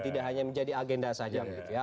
tidak hanya menjadi agenda saja begitu ya